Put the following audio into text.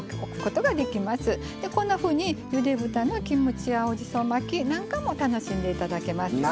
こんなふうにゆで豚のキムチ青じそ巻きなんかも楽しんで頂けますよ。